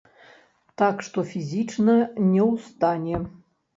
Так што фізічна не ў стане.